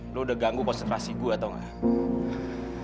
lo udah ganggu konsentrasi gue atau gak